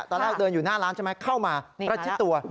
ตอนแรกเดินอยู่หน้าร้านใช่ไหมเข้ามาประชิดตัว